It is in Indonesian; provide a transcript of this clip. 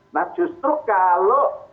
nah justru kalau